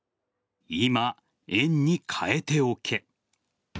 今、円に替えておけ。